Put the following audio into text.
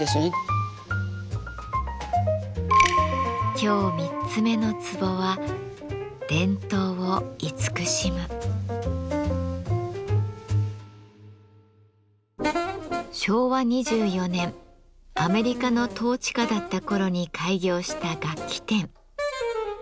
今日三つ目のツボは昭和２４年アメリカの統治下だった頃に開業した楽器店。